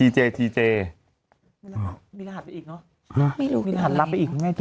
มีรหัสไปอีกเนาะ